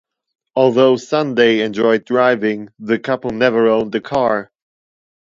Although Sunday enjoyed driving, the couple never owned a car.